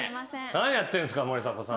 何やってんすか森迫さん。